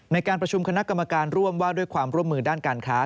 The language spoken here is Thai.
ในการประชุมคณะกรรมการร่วมว่าด้วยความร่วมมือด้านการค้า